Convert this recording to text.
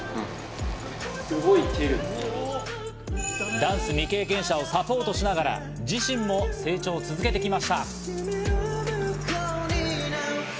ダンス未経験者をサポートしながら、自身も成長を続けてきました。